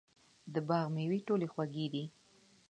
د باغ مېوې ټولې خوږې دي.